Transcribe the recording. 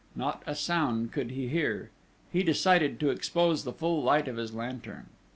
Not a sound could he hear: he decided to expose the full light of his lantern.